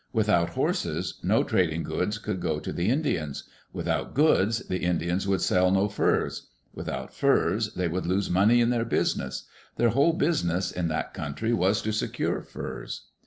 Without horses, no trading goods could go to the Indians. Without goods, the Indians would sell no furs. Without furs, they would lose money in their business. Their whole business in that country was to secure furs.